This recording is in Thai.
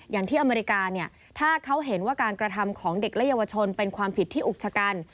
อย่างที่อเมริกาเนี่ยถ้าเขาเห็นว่าการกระทำของเด็กและเยาวชนเป็นความผิดที่อุกชะกัน